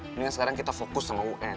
kemudian sekarang kita fokus sama un